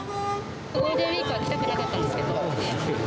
ゴールデンウィークは来たくなかったんですけど。